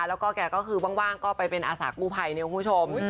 แล้วก็แกก็คือว่างก็ไปเป็นอาสากู้ภัยเนี่ยคุณผู้ชม